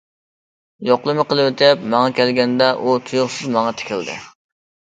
يوقلىما قىلىۋېتىپ، ماڭا كەلگەندە ئۇ تۇيۇقسىز ماڭا تىكىلدى.